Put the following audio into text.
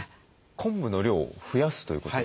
昆布の量を増やすということですか？